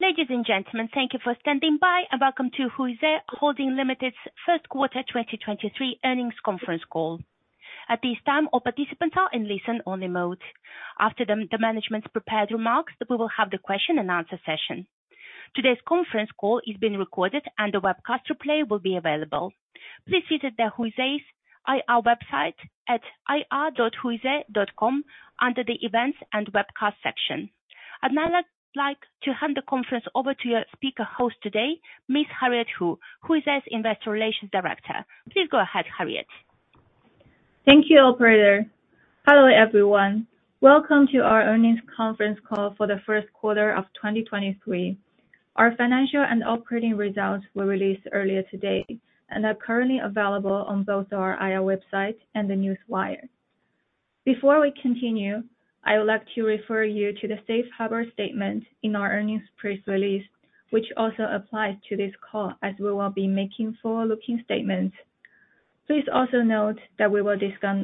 Ladies and gentlemen, thank you for standing by, and welcome to Huize Holding Limited's first quarter 2023 earnings conference call. At this time, all participants are in listen only mode. After the management's prepared remarks, we will have the question and answer session. Today's conference call is being recorded, and a webcast replay will be available. Please visit the Huize IR website at ir.huize.com under the Events and Webcast section. I'd now like to hand the conference over to your speaker host today, Miss Harriet Hu, Huize's Investor Relations Director. Please go ahead, Harriet. Thank you, operator. Hello, everyone. Welcome to our earnings conference call for the first quarter of 2023. Our financial and operating results were released earlier today and are currently available on both our IR website and the Newswire. Before we continue, I would like to refer you to the Safe Harbor statement in our earnings press release, which also applies to this call as we will be making forward-looking statements. Please also note that we will discuss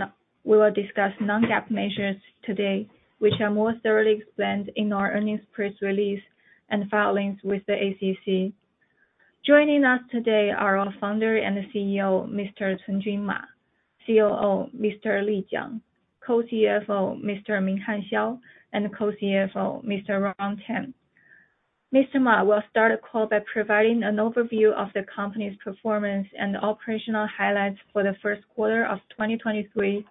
non-GAAP measures today, which are more thoroughly explained in our earnings press release and filings with the SEC. Joining us today are our Founder and CEO, Mr. Cunjun Ma, COO, Mr. Li Jiang, Co-CFO, Mr. Minhan Xiao, and Co-CFO, Mr. Ron Tam. Mr. Ma will start the call by providing an overview of the company's performance and operational highlights for the first quarter of 2023.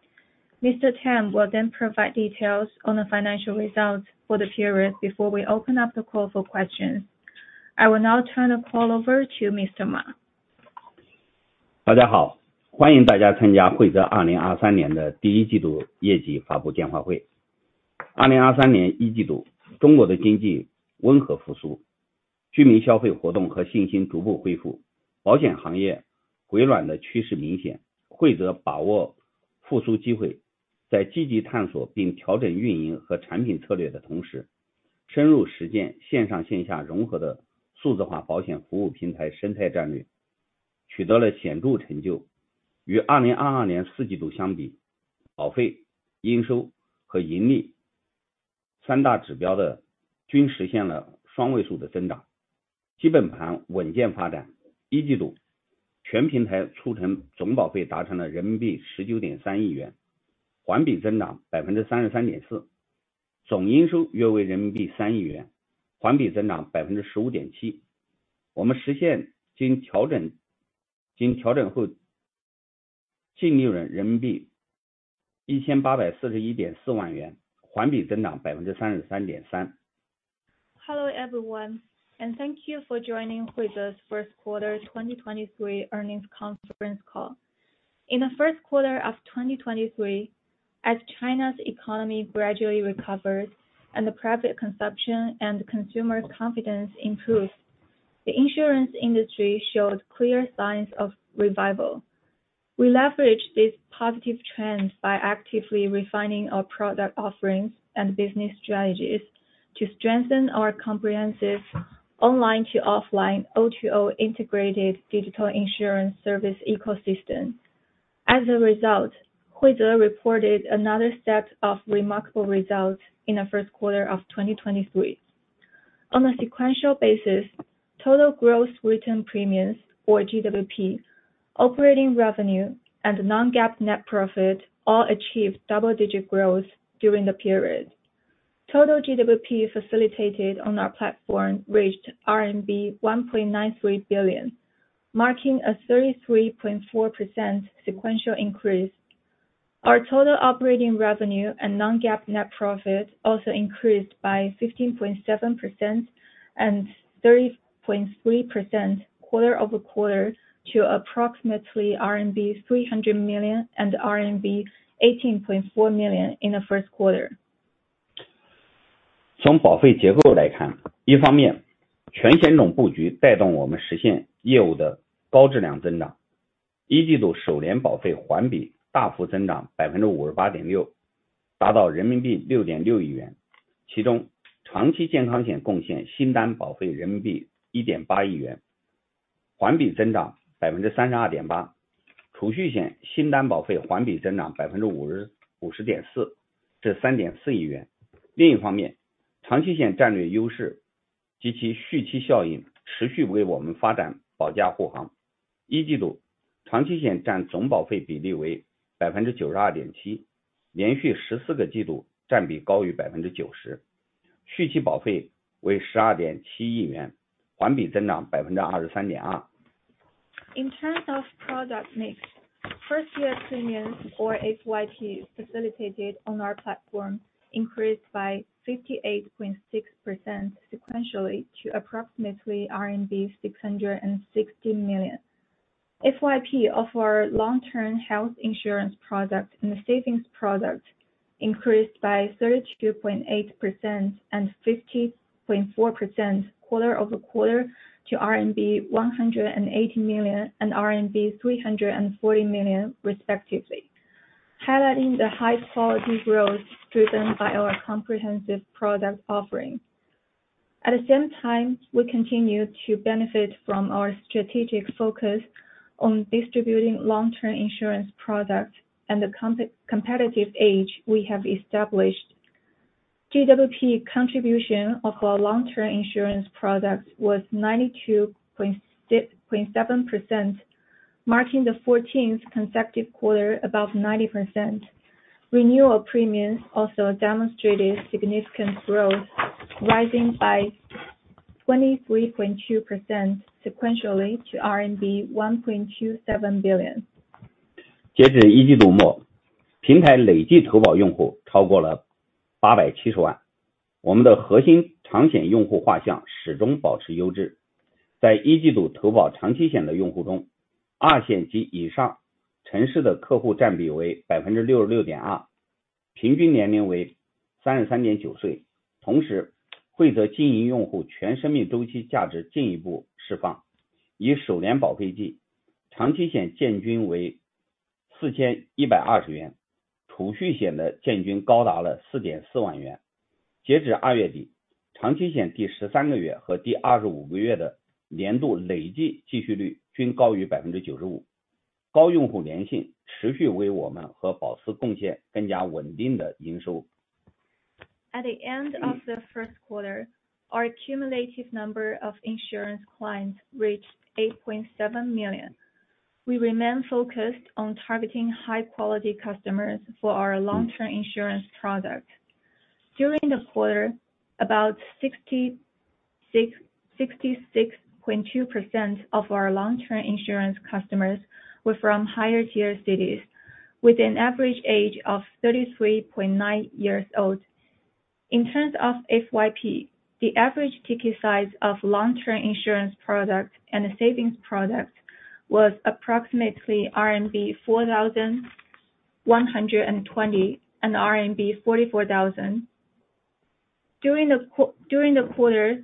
Tam will provide details on the financial results for the period before we open up the call for questions. I will now turn the call over to Mr. Ma. 大家 好， 欢迎大家参加 Huize 2023年的 first quarter 业绩发布电话会。2023年 first quarter， 中国的经济温和复 苏， 居民消费活动和信心逐步恢 复， 保险行业回暖的趋势明 显， Huize 把握复苏机 会， 在积极探索并调整运营和产品策略的同 时， 深入实践 O2O 的数字化保险服务平台生态战 略， 取得了显著成就。与2022年 fourth quarter 相 比， 保费、应收和盈利三大指标的均实现了双位数的增 长， 基本盘稳健发展。first quarter 全平台出险总保费达成了 CNY 1.93 billion， 环比增长 33.4%。总营收约为 CNY 300 million， 环比增长 15.7%。我们实现经调整后净利润 CNY 18.414 million， 环比增长 33.3%。Hello, everyone, thank you for joining Huize's first quarter 2023 earnings conference call. In the first quarter of 2023, as China's economy gradually recovers and the private consumption and consumer confidence improves, the insurance industry showed clear signs of revival. We leveraged these positive trends by actively refining our product offerings and business strategies to strengthen our comprehensive online to offline O2O integrated digital insurance service ecosystem. As a result, Huize reported another set of remarkable results in the first quarter of 2023. On a sequential basis, total gross written premiums, or GWP, operating revenue, and non-GAAP net profit all achieved double-digit growth during the period. Total GWP facilitated on our platform reached RMB 1.93 billion, marking a 33.4% sequential increase. Our total operating revenue and non-GAAP net profit also increased by 15.7% and 30.3% quarter-over-quarter, to approximately RMB 300 million and RMB 18.4 million in the first quarter. 从保费结构来 看， 一方 面， 全险种布局带动我们实现业务的高质量增长。一季度首年保费环比大幅增长百分之五十八点 六， 达到人民币六点六亿 元， 其中长期健康险贡献新单保费人民币一点八亿 元， 环比增长百分之三十二点八。储蓄险新单保费环比增长百分之五十点 四， 至三点四亿元。另一方 面， 长期险战略优势及其续期效应持续为我们发展保驾护航。一季 度， 长期险占总保费比例为百分之九十二点 七， 连续十四个季度占比高于百分之九 十， 续期保费为十二点七亿 元， 环比增长百分之二十三点二。In terms of product mix, first-year premiums, or FYP, facilitated on our platform increased by 58.6% sequentially to approximately RMB 660 million. FYP of our long-term health insurance product and the savings product increased by 32.8% and 50.4% quarter-over-quarter to RMB 180 million and RMB 340 million respectively, highlighting the high quality growth driven by our comprehensive product offering. At the same time, we continue to benefit from our strategic focus on distributing long-term insurance products and the competitive age we have established. GWP contribution of our long-term insurance products was 92.7%, marking the fourteenth consecutive quarter above 90%. Renewal premiums also demonstrated significant growth, rising by 23.2% sequentially to CNY 1.27 billion. 截至一季度 末， 平台累计投保用户超过了八百七十万。我们的核心长险用户画像始终保持优质。在一季度投保长期险的用户 中， 二线及以上城市的客户占比为百分之六十六点 二， 平均年龄为三十三点九岁。同 时， 惠择经营用户全生命周期价值进一步释 放， 以首年保费 计， 长期险件均为四千一百二十元，储蓄险的件均高达了四点四万元。截止二月 底， 长期险第十三个月和第二十五个月的年度累计继续率均高于百分之九十五。高用户粘性持续为我们和保司贡献更加稳定的营收。At the end of the first quarter, our cumulative number of insurance clients reached 8.7 million. We remain focused on targeting high quality customers for our long-term insurance products. During the quarter, about 66.2% of our long-term insurance customers were from higher tier cities, with an average age of 33.9 years old. In terms of FYP, the average ticket size of long-term insurance product and savings product was approximately RMB 4,120 and RMB 44,000. During the quarter,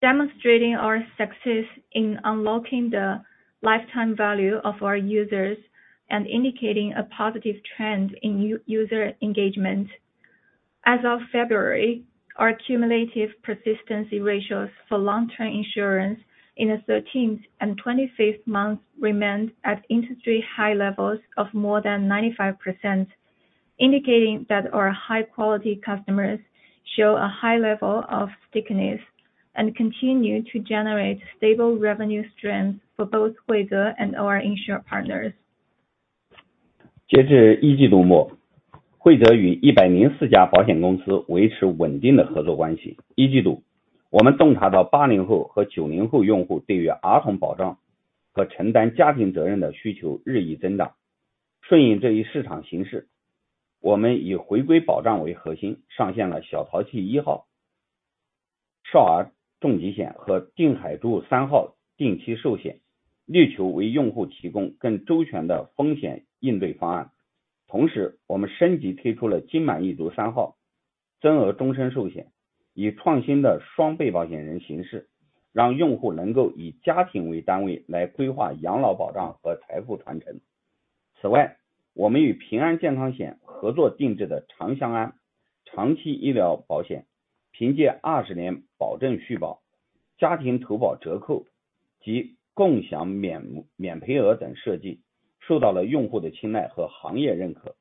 demonstrating our success in unlocking the lifetime value of our users and indicating a positive trend in user engagement. As of February, our cumulative persistency ratios for long-term insurance in the 13th and 25th month remained at industry high levels of more than 95%, indicating that our high quality customers show a high level of stickiness and continue to generate stable revenue streams for both Huize and our insurer partners. 截至一季度 末， 惠择与一百零四家保险公司维持稳定的合作关系。一季 度， 我们洞察到八零后和九零后用户对于儿童保障和承担家庭责任的需求日益增大。顺应这一市场形 势， 我们以回归保障为核 心， 上线了小淘气一号、少儿重疾险和定海柱三号定期寿 险， 力求为用户提供更周全的风险应对方案。同 时， 我们升级推出了金满一族三号增额终身寿 险， 以创新的双倍保险人形 式， 让用户能够以家庭为单位来规划养老保障和财富传承。此 外， 我们与平安健康险合作定制的长相安长期医疗保 险， 凭借二十年保证续保、家庭投保折扣及共享 免， 免赔额等设计，受到了用户的青睐和行业认 可，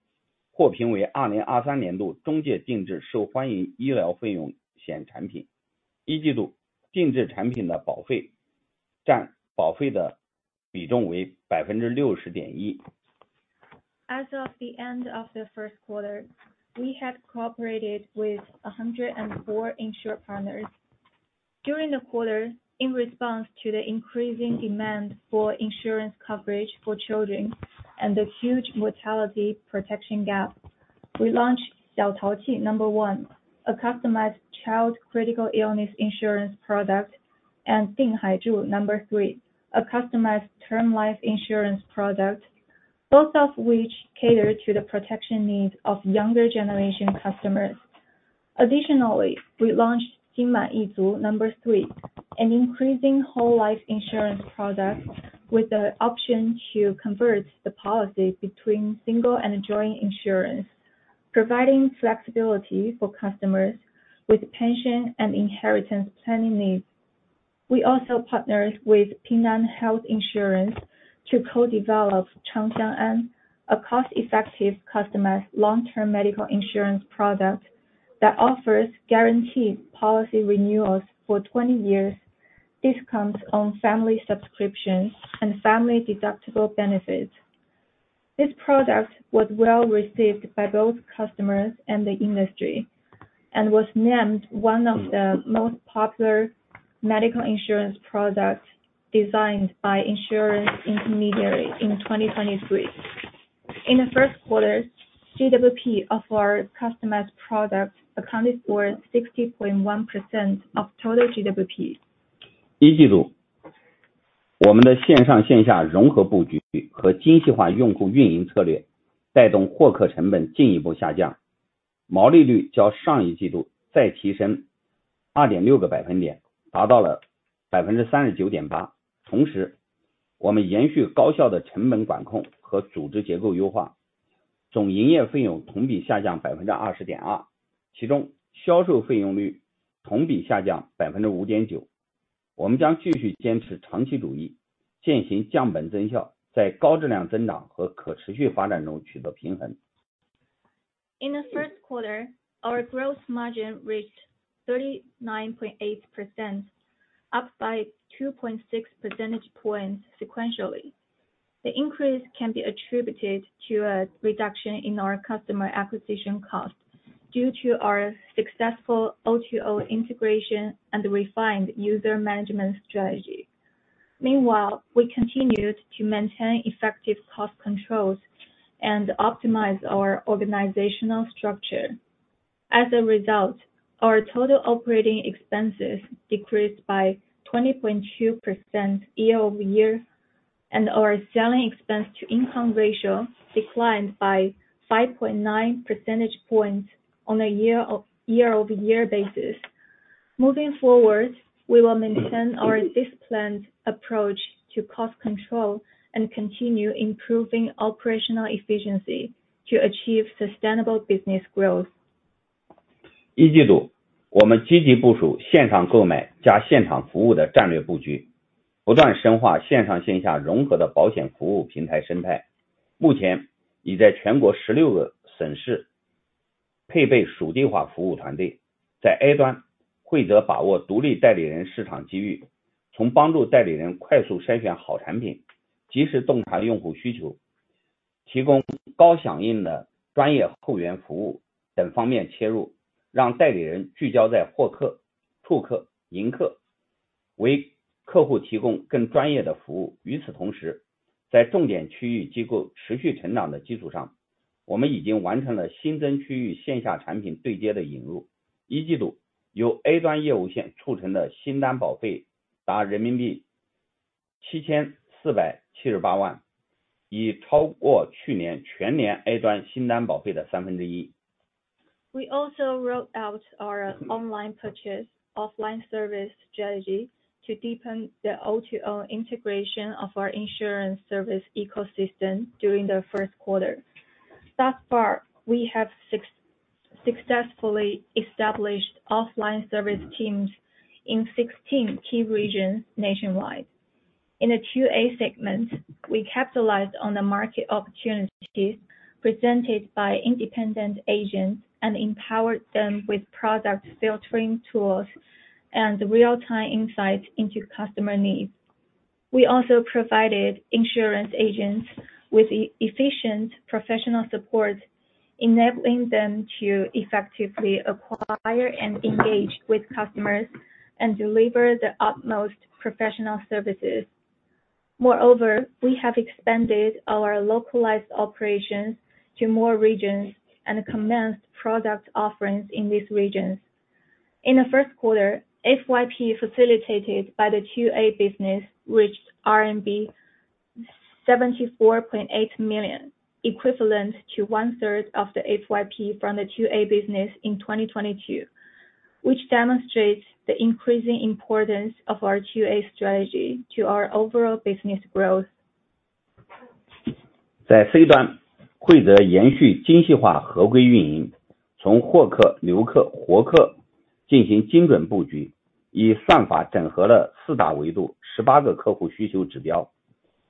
获评为二零二三年度中介定制受欢迎医疗费用险产品。一季 度， 定制产品的保费占保费的比重为百分之六十点一。As of the end of the first quarter, we had cooperated with 104 insured partners. During the quarter, in response to the increasing demand for insurance coverage for children and the huge mortality protection gap, we launchedXiao Tao Qi No. 1, a customized children's critical illness insurance product, and Ding Haizhu No. 3, a customized term life insurance product, both of which cater to the protection needs of younger generation customers. Additionally, we launched Jin Man Yi Zu No. 3, an increasing whole life insurance product with the option to convert the policy between single and joint insurance, providing flexibility for customers with pension and inheritance planning needs. We also partnered with Ping An Health Insurance to co-develop Chang Xiang An, a cost-effective, customized long-term medical insurance product that offers guaranteed policy renewals for 20 years, discounts on family subscriptions, and family deductible benefits. This product was well received by both customers and the industry, and was named one of the most popular medical insurance products designed by insurance intermediaries in 2023. In the first quarter, GWP of our customized products accounted for 60.1% of total GWPs. 一季 度， 我们的线上线下融合布局和精细化用户运营策 略， 带动获客成本进一步下 降， 毛利率较上一季度再提升二点六个百分 点， 达到了百分之三十九点八。同 时， 我们延续高效的成本管控和组织结构优 化. 总营业费用同比下降 20.2%， 其中销售费用率同比下降 5.9%。我们将继续坚持长期主 义， 践行降本增 效， 在高质量增长和可持续发展中取得平衡。In the first quarter, our gross margin reached 39.8%, up by 2.6 percentage points sequentially. The increase can be attributed to a reduction in our customer acquisition cost due to our successful O2O integration and refined user management strategy. Meanwhile, we continued to maintain effective cost controls and optimize our organizational structure. As a result, our total operating expenses decreased by 20.2% year-over-year, and our selling expense to income ratio declined by 5.9 percentage points on a year-over-year basis. Moving forward, we will maintain our disciplined approach to cost control and continue improving operational efficiency to achieve sustainable business growth. 一季 度， 我们积极部署现场购买加现场服务的战略布 局， 不断深化线上线下融合的保险服务平台生 态. 目前已在全国16个省市配备属地化服务团 队. 在 A端， Huize 把握独立代理人市场机 遇， 从帮助代理人快速筛选好产 品， 及时洞察用户需 求， 提供高响应的专业后援服务等方面切 入， 让代理人聚焦在获客、拓客、营 客， 为客户提供更专业的服 务. 与此同 时， 在重点区域机构持续成长的基础 上， 我们已经完成了新增区域线下产品对接的引 入. 一季 度， 由 A端 业务线促成的新单保费达 CNY 74,780,000， 已超过去年全年 A端 新单保费的 1/3. We also rolled out our online purchase offline service strategy to deepen the O2O integration of our insurance service ecosystem during the first quarter. Thus far, we have successfully established offline service teams in 16 key regions nationwide. In the To-A segment, we capitalized on the market opportunities presented by independent agents and empowered them with product filtering tools and real-time insights into customer needs. We also provided insurance agents with efficient professional support, enabling them to effectively acquire and engage with customers and deliver the utmost professional services. Moreover, we have expanded our localized operations to more regions and commenced product offerings in these regions. In the first quarter, FYP facilitated by the To-A business reached RMB 74.8 million, equivalent to one third of the FYP from the To-A business in 2022, which demonstrates the increasing importance of our To-A strategy to our overall business growth. 在 C 端， 惠择延续精细化合规运 营， 从获客、留客、活客进行精准布 局， 以算法整合了四大维 度， 十八个客户需求指 标，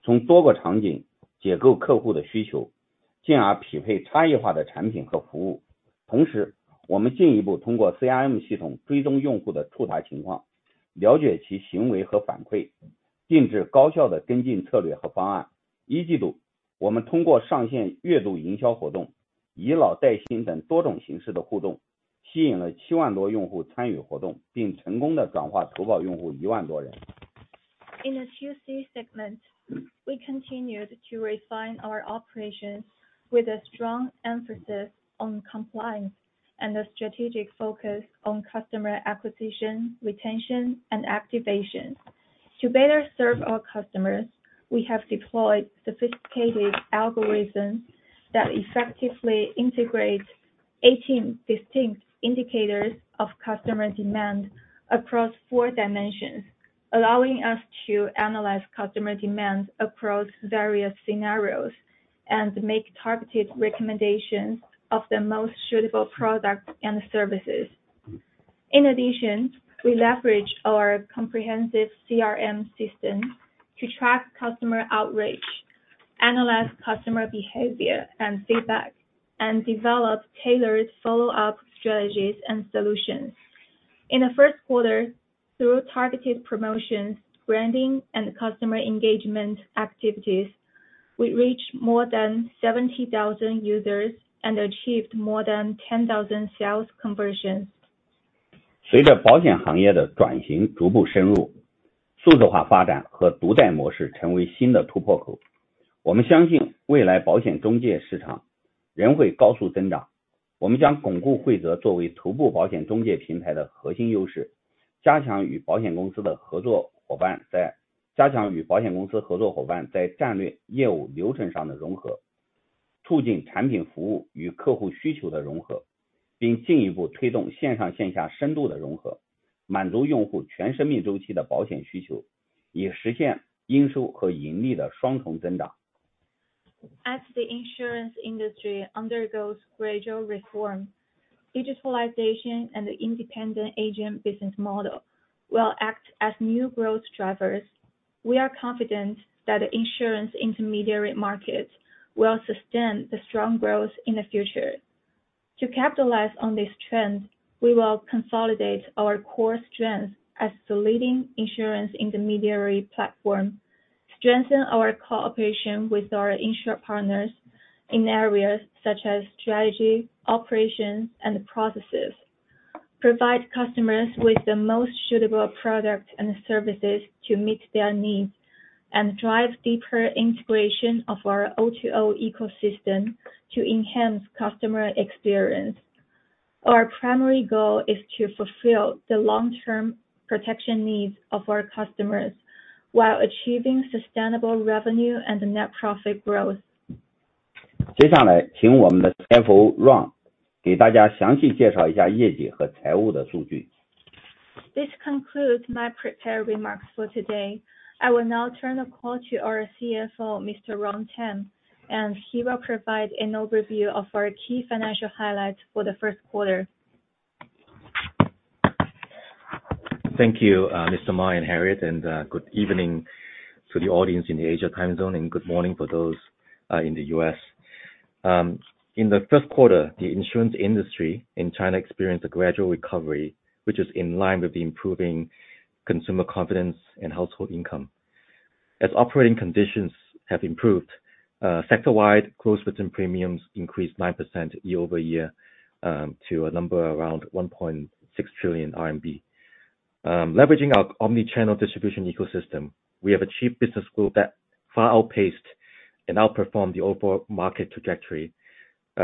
从多个场景解构客户的需 求， 进而匹配差异化的产品和服务。同 时， 我们进一步通过 CRM 系统追踪用户的触达情 况， 了解其行为和反 馈， 定制高效的跟进策略和方案。一季 度， 我们通过上线月度营销活动、以老带新等多种形式的互 动， 吸引了七万多用户参与活 动， 并成功地转化投保用户一万多人。In the To-C segment, we continued to refine our operations with a strong emphasis on compliance and a strategic focus on customer acquisition, retention, and activation. To better serve our customers, we have deployed sophisticated algorithms that effectively integrate 18 distinct indicators of customer demand across four dimensions, allowing us to analyze customer demands across various scenarios and make targeted recommendations of the most suitable products and services. In addition, we leverage our comprehensive CRM system to track customer outreach, analyze customer behavior and feedback, and develop tailored follow-up strategies and solutions. In the first quarter, through targeted promotions, branding, and customer engagement activities, we reached more than 70,000 users and achieved more than 10,000 sales conversions. 随着保险行业的转型逐步深 入， 数字化发展和独代模式成为新的突破口。我们相信未来保险中介市场仍会高速增 长， 我们将巩固 Huize 作为头部保险中介平台的核心优势，加强与保险公司合作伙伴在战略业务流程上的融 合， 促进产品服务与客户需求的融 合， 并进一步推动线上线下深度的融合。满足用户全生命周期的保险需 求， 也实现营收和盈利的双重增长。As the insurance industry undergoes gradual reform, digitalization and the independent agent business model will act as new growth drivers. We are confident that the insurance intermediary markets will sustain the strong growth in the future. To capitalize on this trend, we will consolidate our core strengths as the leading insurance intermediary platform, strengthen our cooperation with our insurer partners in areas such as strategy, operations, and processes, provide customers with the most suitable products and services to meet their needs, and drive deeper integration of our O2O ecosystem to enhance customer experience. Our primary goal is to fulfill the long-term protection needs of our customers while achieving sustainable revenue and net profit growth. 接下 来， 请我们的 CFO, Ruan, 给大家详细介绍一下业绩和财务的数据。This concludes my prepared remarks for today. I will now turn the call to our CFO, Mr. Ron Tam, and he will provide an overview of our key financial highlights for the first quarter. Thank you, Mr. Ma and Harriet, good evening to the audience in the Asia time zone, and good morning for those in the U.S. In the first quarter, the insurance industry in China experienced a gradual recovery, which is in line with the improving consumer confidence and household income. As operating conditions have improved, sector-wide close within premiums increased 9% year-over-year, to a number around 1.6 trillion RMB. Leveraging our omni-channel distribution ecosystem, we have achieved business growth that far outpaced and outperformed the overall market trajectory.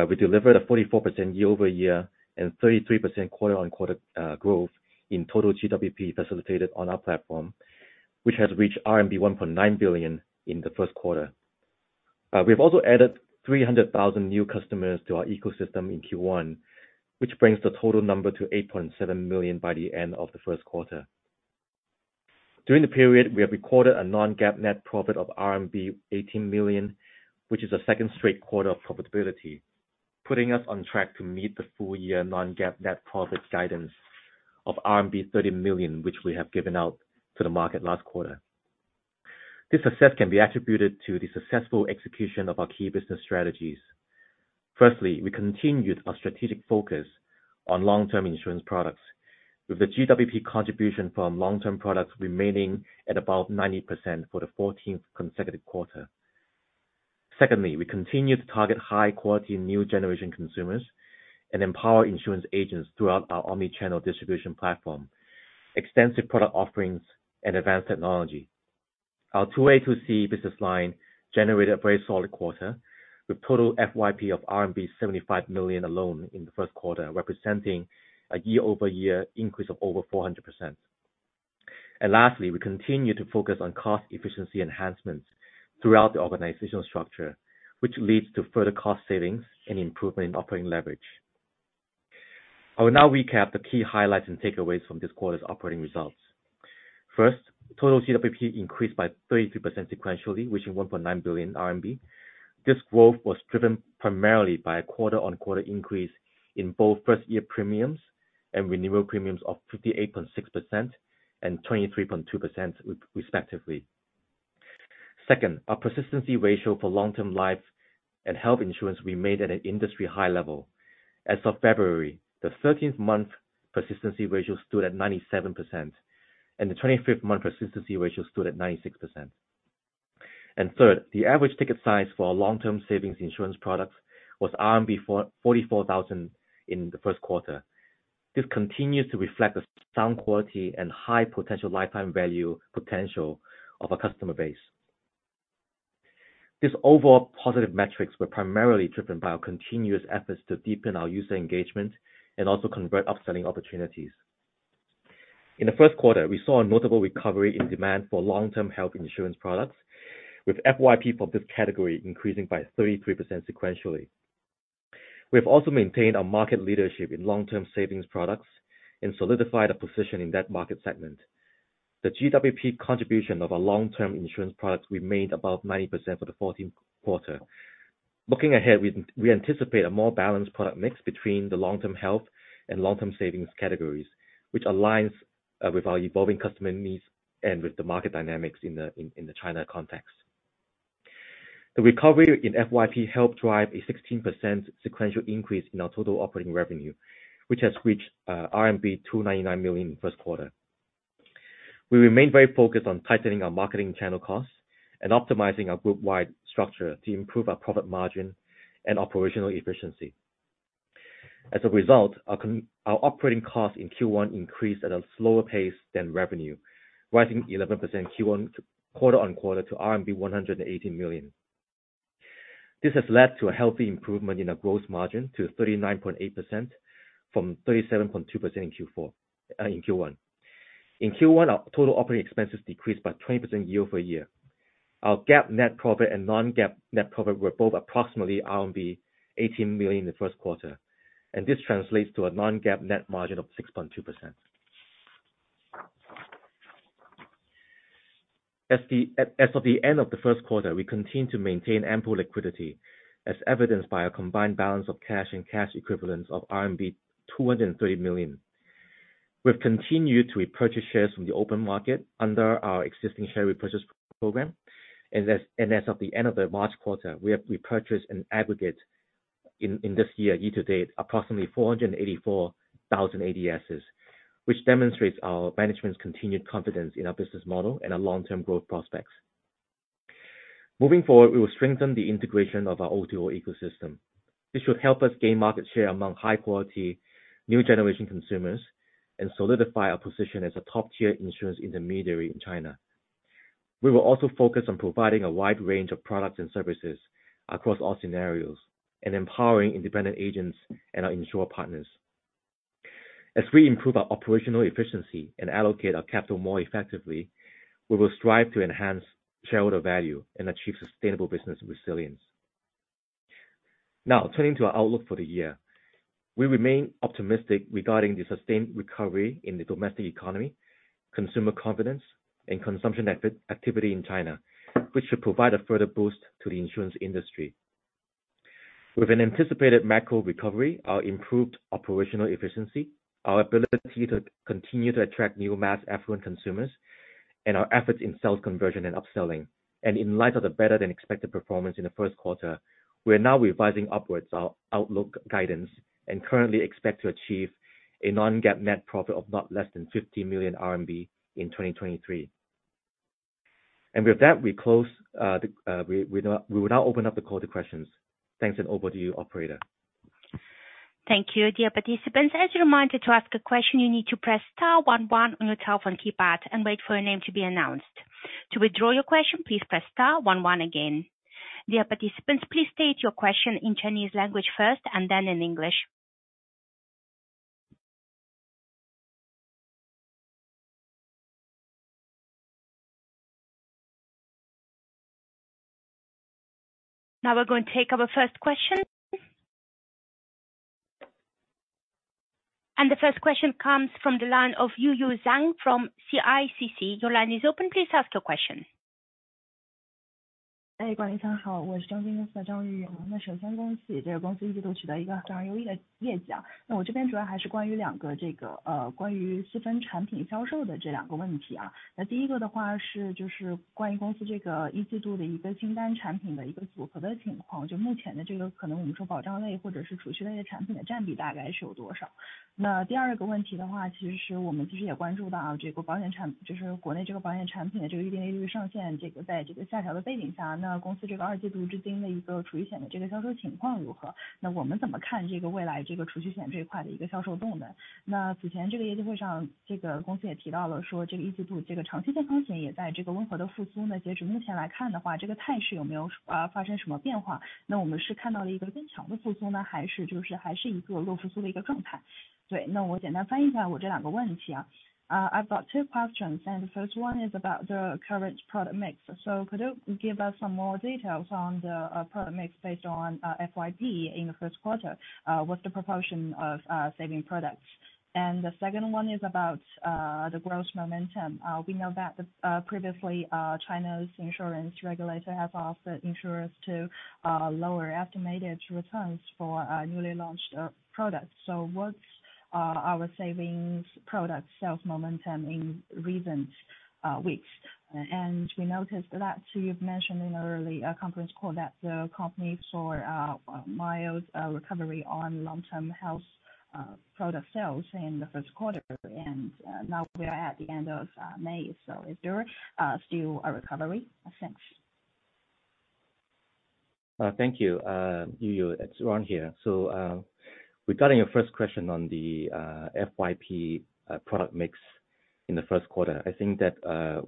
We delivered a 44% year-over-year and 33% quarter-on-quarter growth in total GWP facilitated on our platform, which has reached RMB 1.9 billion in the first quarter. We've also added 300,000 new customers to our ecosystem in Q1, which brings the total number to 8.7 million by the end of the first quarter. During the period, we have recorded a non-GAAP net profit of RMB 18 million, which is the second straight quarter of profitability, putting us on track to meet the full year non-GAAP net profit guidance of RMB 30 million, which we have given out to the market last quarter. This success can be attributed to the successful execution of our key business strategies. Firstly, we continued our strategic focus on long-term insurance products, with the GWP contribution from long-term products remaining at about 90% for the 14th consecutive quarter. Secondly, we continue to target high-quality new generation consumers and empower insurance agents throughout our omni-channel distribution platform, extensive product offerings and advanced technology. Our To-A, To-C business line generated a very solid quarter, with total FYP of RMB 75 million alone in the first quarter, representing a year-over-year increase of over 400%. Lastly, we continue to focus on cost efficiency enhancements throughout the organizational structure, which leads to further cost savings and improvement in operating leverage. I will now recap the key highlights and takeaways from this quarter's operating results. First, total GWP increased by 33% sequentially, reaching 1.9 billion RMB. This growth was driven primarily by a quarter-on-quarter increase in both first-year premiums and renewal premiums of 58.6% and 23.2%, respectively. Second, our persistency ratio for long-term life and health insurance remained at an industry high level. As of February, the 13th month persistency ratio stood at 97%, and the 25th month persistency ratio stood at 96%. Third, the average ticket size for our long-term savings insurance products was RMB 44,000 in the first quarter. This continues to reflect the sound quality and high potential lifetime value potential of our customer base. These overall positive metrics were primarily driven by our continuous efforts to deepen our user engagement and also convert upselling opportunities. In the first quarter, we saw a notable recovery in demand for long-term health insurance products, with FYP for this category increasing by 33% sequentially. We have also maintained our market leadership in long-term savings products and solidified a position in that market segment. The GWP contribution of our long-term insurance products remained above 90% for the 14th quarter. Looking ahead, we anticipate a more balanced product mix between the long-term health and long-term savings categories, which aligns with our evolving customer needs and with the market dynamics in the China context. The recovery in FYP helped drive a 16% sequential increase in our total operating revenue, which has reached RMB 299 million first quarter. We remain very focused on tightening our marketing channel costs and optimizing our group-wide structure to improve our profit margin and operational efficiency. As a result, Our operating costs in Q1 increased at a slower pace than revenue, rising 11% Q1 quarter-on-quarter to RMB 118 million. This has led to a healthy improvement in our growth margin to 39.8% from 37.2% in Q4 in Q1. In Q1, our total operating expenses decreased by 20% year-over-year. Our GAAP net profit and non-GAAP net profit were both approximately RMB 18 million in the first quarter, and this translates to a non-GAAP net margin of 6.2%. As of the end of the first quarter, we continue to maintain ample liquidity, as evidenced by a combined balance of cash and cash equivalents of RMB 230 million. We've continued to repurchase shares from the open market under our existing share repurchase program, and as of the end of the March quarter, we have repurchased an aggregate in this year-to-date, approximately 484,000 ADSs, which demonstrates our management's continued confidence in our business model and our long-term growth prospects. Moving forward, we will strengthen the integration of our O2O ecosystem. This should help us gain market share among high quality, new generation consumers, and solidify our position as a top-tier insurance intermediary in China. We will also focus on providing a wide range of products and services across all scenarios, and empowering independent agents and our insurer partners. As we improve our operational efficiency and allocate our capital more effectively, we will strive to enhance shareholder value and achieve sustainable business resilience. Now, turning to our outlook for the year. We remain optimistic regarding the sustained recovery in the domestic economy, consumer confidence, and consumption activity in China, which should provide a further boost to the insurance industry. With an anticipated macro recovery, our improved operational efficiency, our ability to continue to attract new mass affluent consumers, and our efforts in sales conversion and upselling, and in light of the better than expected performance in the first quarter, we are now revising upwards our outlook guidance, and currently expect to achieve a non-GAAP net profit of not less than 50 million RMB in 2023. With that, we will now open up the call to questions. Thanks. Over to you, operator. Thank you, dear participants. As a reminder, to ask a question, you need to press star one one on your telephone keypad and wait for your name to be announced. To withdraw your question, please press star one one again. Dear participants, please state your question in Chinese language first, and then in English. Now we're going to take our first question. The first question comes from the line of Yuyu Zhang from CICC. Your line is open. Please ask your question. Hey, Thank you. Yuyu, it's Ron here. Regarding your first question on the FYP product mix in the first quarter, I think that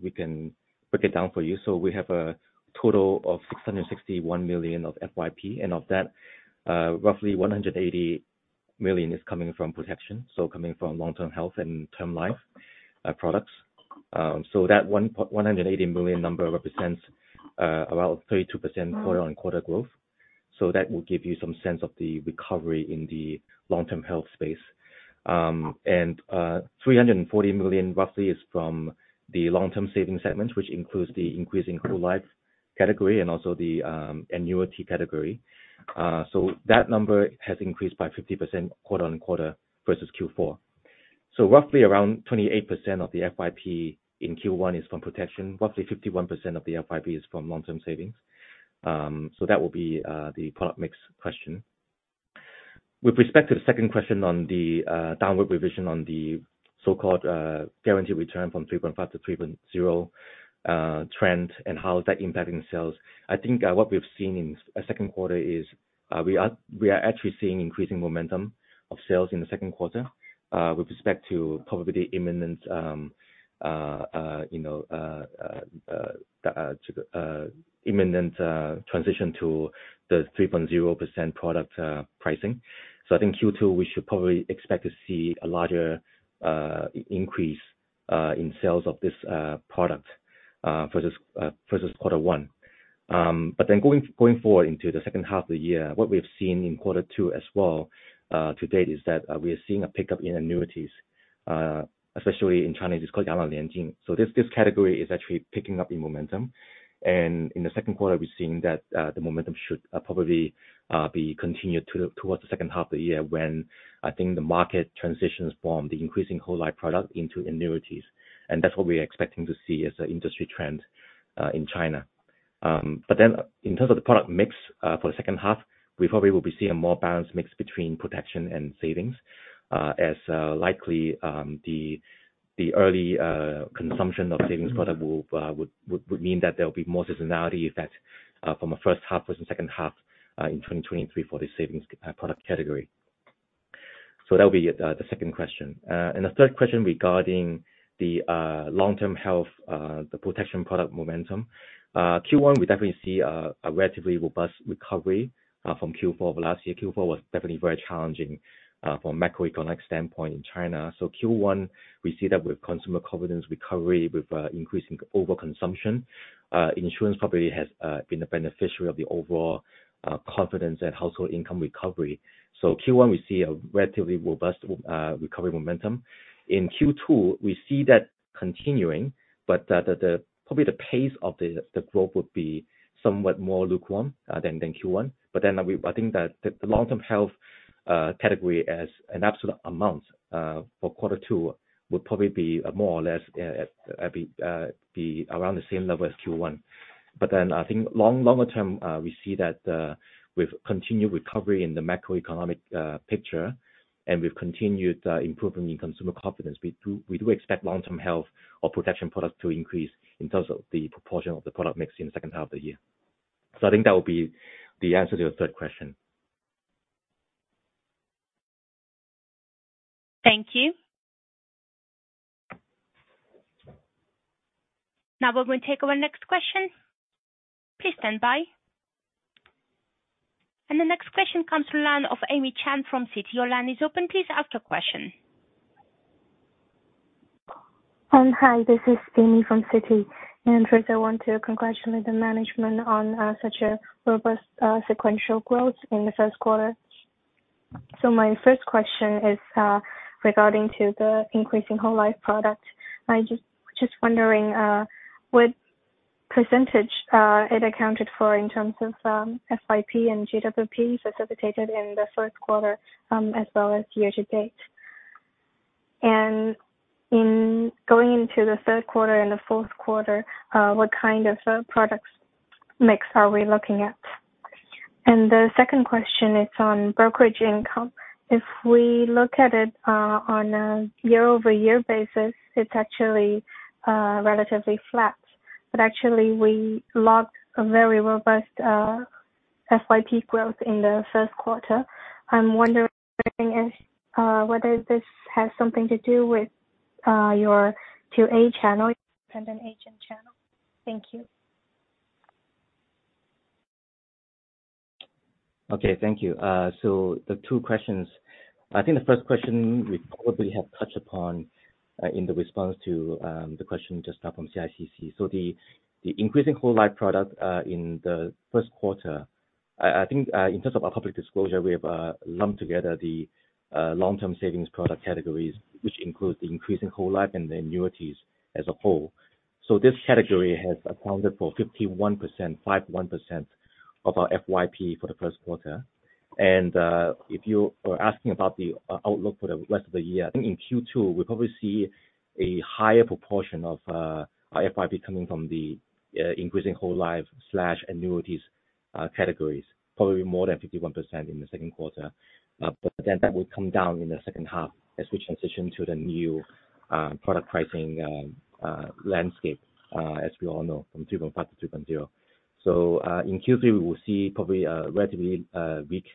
we can break it down for you. We have a total of $661 million of FYP, and of that, roughly $180 million is coming from protection, so coming from long-term health and term life products. So that $180 million number represents about 32% quarter-on-quarter growth. So that will give you some sense of the recovery in the long-term health space. And $340 million roughly is from the long-term savings segment, which includes the increasing whole life category and also the annuity category. So that number has increased by 50% quarter-on-quarter versus Q4. Roughly around 28% of the FYP in Q1 is from protection. Roughly 51% of the FYP is from long-term savings. That will be the product mix question. With respect to the second question on the downward revision on the so-called guaranteed return from 3.5 to 3.0 trend, and how is that impacting sales? I think what we've seen in the second quarter is we are actually seeing increasing momentum of sales in the second quarter with respect to probably the imminent, you know, imminent transition to the 3.0% product pricing. I think Q2, we should probably expect to see a larger increase in sales of this product versus quarter one. Going forward into the second half of the year, what we have seen in quarter two as well, to date is that, we are seeing a pickup in annuities, especially in China. It's called. This category is actually picking up in momentum. In the second quarter, we're seeing that the momentum should probably be continued towards the second half of the year, when I think the market transitions from the increasing whole life product into annuities. That's what we are expecting to see as an industry trend in China. In terms of the product mix, for the second half, we probably will be seeing a more balanced mix between protection and savings, as likely, the early consumption of savings product will mean that there will be more seasonality effect from a first half versus second half in 2023 for the savings product category. That will be the second question. The third question regarding the long-term health, the protection product momentum. Q1, we definitely see a relatively robust recovery from Q4 of last year. Q4 was definitely very challenging from macroeconomic standpoint in China. Q1, we see that with consumer confidence recovery, with increasing overconsumption, insurance probably has been the beneficiary of the overall confidence and household income recovery. Q1, we see a relatively robust recovery momentum. In Q2, we see that continuing, but the probably the pace of the growth would be somewhat more lukewarm than Q1. I think that the long-term health category as an absolute amount for quarter two, will probably be more or less around the same level as Q1. I think long, longer term, we see that, with continued recovery in the macroeconomic picture, and with continued improvement in consumer confidence, we do expect long-term health or protection products to increase in terms of the proportion of the product mix in the second half of the year. I think that would be the answer to your third question. Thank you. Now we're going to take our next question. Please stand by. The next question comes to line of Amy Chan from Citi. Your line is open. Please ask your question. Hi, this is Amy from Citi, first I want to congratulate the management on such a robust sequential growth in the first quarter. My first question is regarding to the increasing whole life product. I just wondering what percentage it accounted for in terms of FYP and GWP facilitated in the first quarter as well as year to date? In going into the third quarter and the fourth quarter, what kind of products mix are we looking at? The second question is on brokerage income. If we look at it on a year-over-year basis, it's actually relatively flat. Actually we logged a very robust FYP growth in the first quarter. I'm wondering whether this has something to do with your To-A channel, independent agent channel. Thank you. Thank you. The two questions. I think the first question we probably have touched upon in the response to the question just now from CICC. The increasing whole life product in the first quarter, I think, in terms of our public disclosure, we have lumped together the long-term savings product categories, which includes the increasing whole life and the annuities as a whole. This category has accounted for 51%, 51%, of our FYP for the first quarter. If you are asking about the outlook for the rest of the year, I think in Q2, we probably see a higher proportion of our FYP coming from the increasing whole life/annuities categories, probably more than 51% in the second quarter. That will come down in the second half as we transition to the new product pricing landscape as we all know, from 2.5 to 2.0. In Q3, we will see probably a relatively weak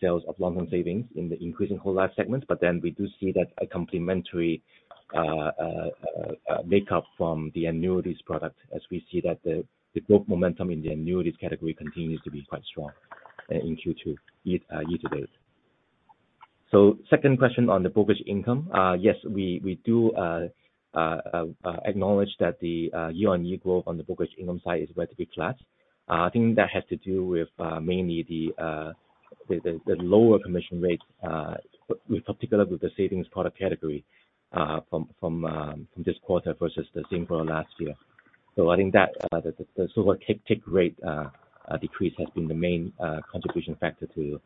sales of long-term savings in the increasing whole life segments. We do see that a complementary makeup from the annuities product as we see that the growth momentum in the annuities category continues to be quite strong in Q2 year to date. Second question on the brokerage income. Yes, we do acknowledge that the year-on-year growth on the brokerage income side is relatively flat. I think that has to do with mainly the lower commission rate in particular with the savings product category from this quarter versus the same quarter last year. I think that the take rate decrease has been the main contribution factor to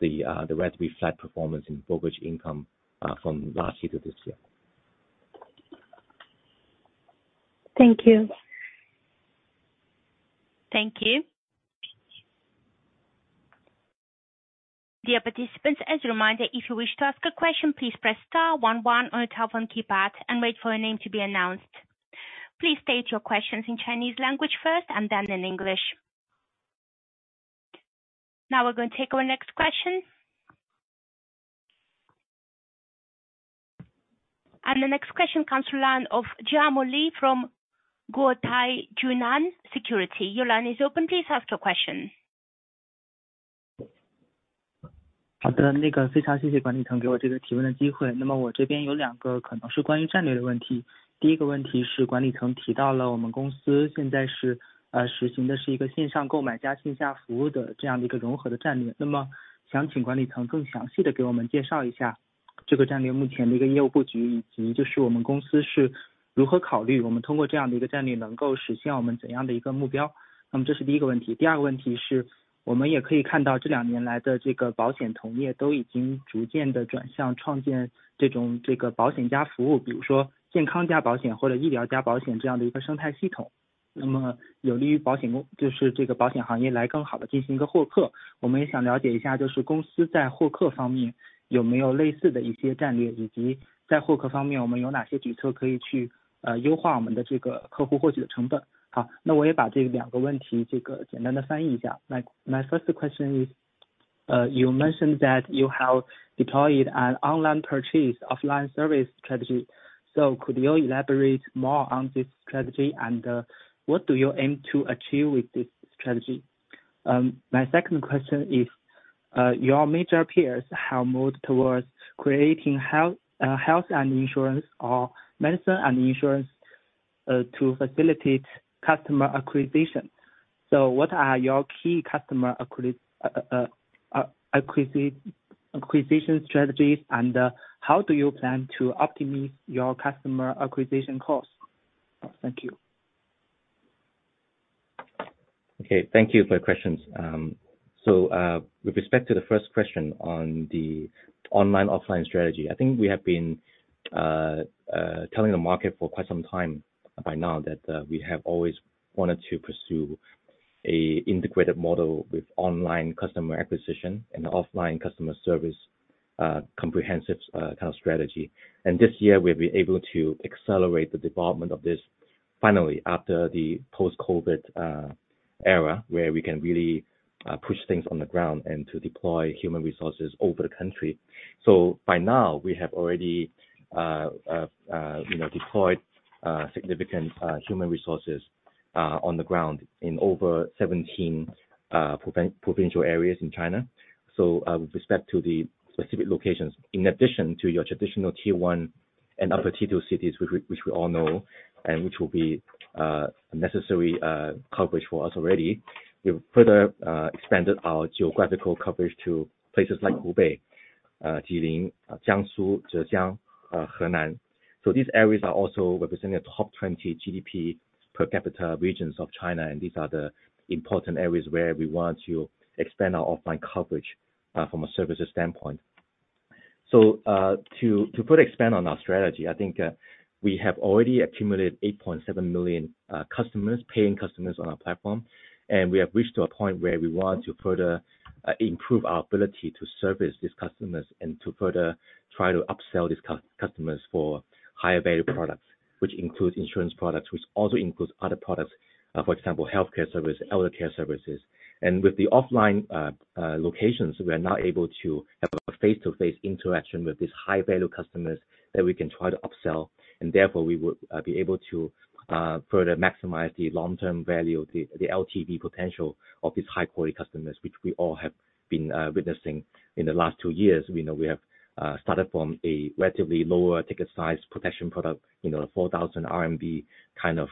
the relatively flat performance in brokerage income from last year to this year. Thank you. Thank you. Dear participants, as a reminder, if you wish to ask a question, please press star one one on your telephone keypad and wait for your name to be announced. Please state your questions in Chinese language first, and then in English. Now we're going to take our next question.... The next question comes to line of Jiameng Li from Guotai Junan Securities. Your line is open. Please ask your question. Hello, 非常谢谢管理层给我这个提问的机会。我这边有2个可能是关于战略的问题。第1个问题是管理层提到了我们公司现在是实行的是1个线上购买加线下服务的这样的1个融合的战略。想请管理层更详细地给我们介绍1 下， 这个战略目前的1个业务布 局， 以及就是我们公司是如何考虑我们通过这样的1个战略能够实现我们怎样的1个目 标？ 这是第1个问题。第2个问题 是， 我们也可以看到这2年来的这个保险同业都已经逐渐地转向创建这种这个保险加服 务， 比如说健康加保险或者医疗加保险这样的1个生态系 统， 有利于这个保险行业来更好地进行1个获客。我们也想了解1 下， 就是公司在获客方面有没有类似的1些战 略， 以及在获客方 面， 我们有哪些举措可以去优化我们的这个客户获取的成本。好， 我也把这2个问题这个简单地翻译1 下. My first question is, you mentioned that you have deployed an online purchase offline service strategy. Could you elaborate more on this strategy, and what do you aim to achieve with this strategy? My second question is, your major peers have moved towards creating health and insurance or medicine and insurance, to facilitate customer acquisition. What are your key customer acquisition strategies, and how do you plan to optimize your customer acquisition costs? Thank you. Okay. Thank you for your questions. With respect to the first question on the online, offline strategy, I think we have been telling the market for quite some time by now that we have always wanted to pursue a integrated model with online customer acquisition and offline customer service, comprehensive kind of strategy. This year, we've been able to accelerate the development of this finally, after the post-COVID era, where we can really push things on the ground and to deploy human resources over the country. By now, we have already, you know, deployed significant human resources on the ground in over 17 provincial areas in China. With respect to the specific locations, in addition to your traditional Tier One and other Tier Two cities, which we all know, and which will be necessary coverage for us already, we've further expanded our geographical coverage to places like Hubei, Jilin, Jiangsu, Zhejiang, Henan. These areas are also representing the top 20 GDP per capita regions of China, and these are the important areas where we want to expand our offline coverage from a services standpoint. To put expand on our strategy, I think, we have already accumulated 8.7 million customers, paying customers on our platform, and we have reached to a point where we want to further improve our ability to service these customers and to further try to upsell these customers for higher value products, which includes insurance products, which also includes other products, for example, healthcare service, eldercare services. With the offline locations, we are now able to have a face-to-face interaction with these high-value customers that we can try to upsell, and therefore, we will be able to further maximize the long-term value of the LTV potential of these high-quality customers, which we all have been witnessing in the last 2 years. We know we have started from a relatively lower ticket size protection product, you know, a 4,000 RMB kind of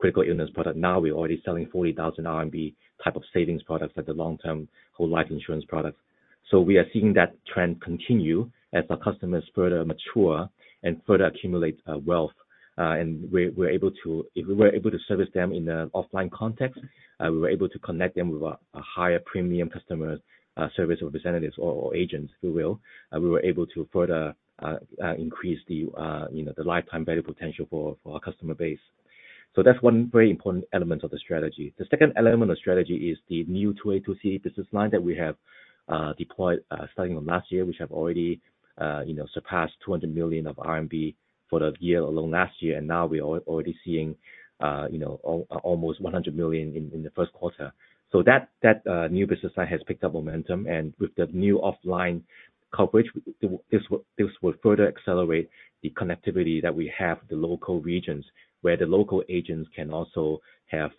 critical illness product. Now, we're already selling 40,000 RMB type of savings products at the long-term whole life insurance products. We are seeing that trend continue as our customers further mature and further accumulate wealth. We're able to if we were able to service them in a offline context, we were able to connect them with a higher premium customer service representatives or agents who will we were able to further increase the, you know, the lifetime value potential for our customer base. That's one very important element of the strategy. The second element of strategy is the new To-A To-C business line that we have deployed starting on last year, which have already, you know, surpassed 200 million RMB for the year alone last year, and now we are already seeing, you know, almost 100 million in the first quarter. That new business line has picked up momentum, and with the new offline coverage, this will further accelerate the connectivity that we have with the local regions, where the local agents can also have,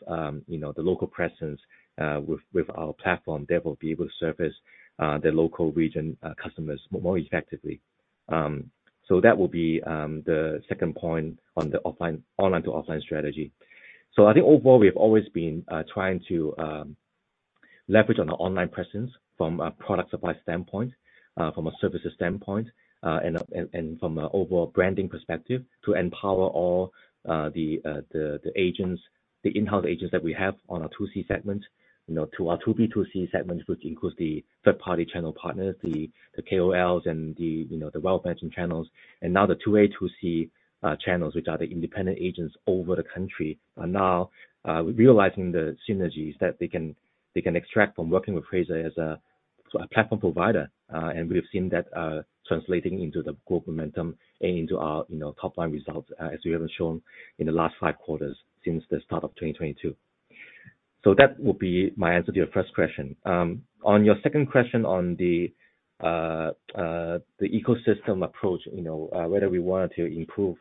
you know, the local presence with our platform, they will be able to service the local region customers more effectively. That will be the second point on the online to offline strategy. I think overall, we have always been trying to leverage on our online presence from a product supply standpoint, from a services standpoint, and from an overall branding perspective, to empower all the agents, the in-house agents that we have on our To-C segment, you know, to our To-B To-C segments, which includes the third-party channel partners, the KOLs and the, you know, the wealth management channels, and now the To-A To-C channels, which are the independent agents over the country, are now realizing the synergies that they can extract from working with Huize as a platform provider, and we've seen that translating into the growth momentum and into our, you know, top line results as we have shown in the last 5 quarters since the start of 2022. That will be my answer to your first question. On your second question on the ecosystem approach, you know, whether we wanted to improve,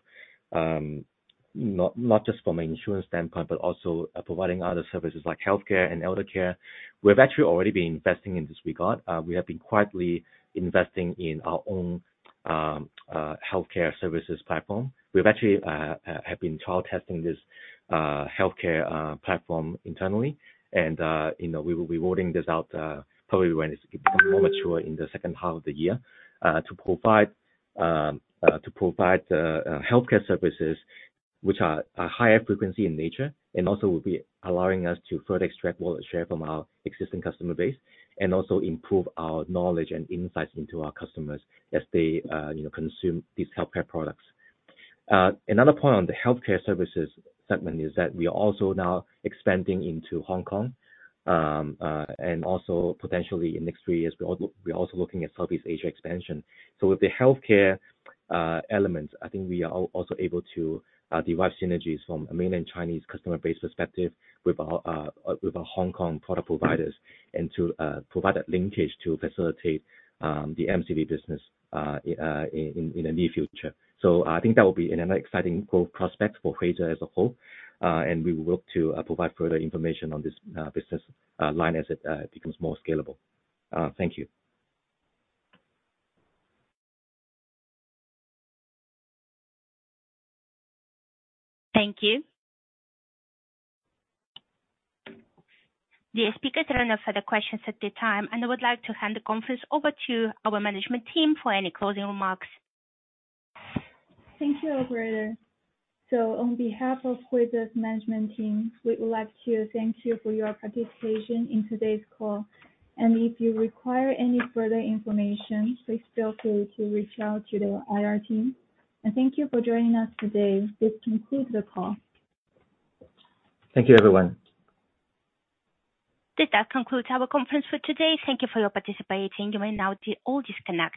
not just from an insurance standpoint, but also providing other services like healthcare and eldercare. We've actually already been investing in this regard. We have been quietly investing in our own healthcare services platform. We've actually have been trial testing this healthcare platform internally, you know, we will be rolling this out probably when it's become more mature in the second half of the year. to provide healthcare services which are a higher frequency in nature, and also will be allowing us to further extract market share from our existing customer base, and also improve our knowledge and insights into our customers as they, you know, consume these healthcare products. Another point on the healthcare services segment is that we are also now expanding into Hong Kong. Potentially in the next 3 years, we're also looking at Southeast Asia expansion. With the healthcare elements, I think we are also able to derive synergies from a mainland Chinese customer base perspective with our Hong Kong product providers, and to provide a linkage to facilitate the MCB business in the near future. I think that will be another exciting growth prospect for Huize as a whole. We will work to provide further information on this business line as it becomes more scalable. Thank you. Thank you. The speakers are enough for the questions at the time. I would like to hand the conference over to our management team for any closing remarks. Thank you, operator. On behalf of Huize's management team, we would like to thank you for your participation in today's call. If you require any further information, please feel free to reach out to the IR team. Thank you for joining us today. This concludes the call. Thank you, everyone. That concludes our conference for today. Thank you for your participation. You may now all disconnect.